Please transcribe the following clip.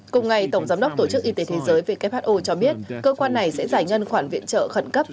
cùng ngày tổng giám đốc tổ chức y tế thế giới who cho biết cơ quan này sẽ giải ngân khoản viện trợ khẩn cấp